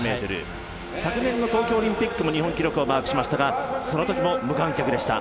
昨年の東京オリンピックも日本記録をマークしましたがそのときも無観客でした。